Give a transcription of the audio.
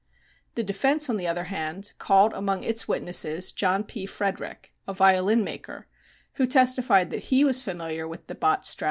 The defense, on the other hand, called among its witnesses John P. Frederick, a violin maker, who testified that he was familiar with the Bott Strad.